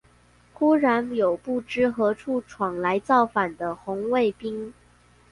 忽然有不知何處闖來造反的紅衛兵